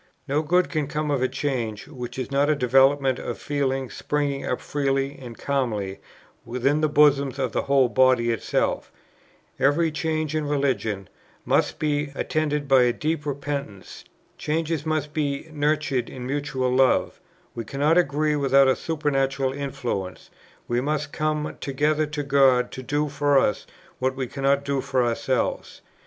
No good can come of a change which is not a development of feelings springing up freely and calmly within the bosom of the whole body itself; every change in religion" must be "attended by deep repentance; changes" must be "nurtured in mutual love; we cannot agree without a supernatural influence;" we must come "together to God to do for us what we cannot do for ourselves."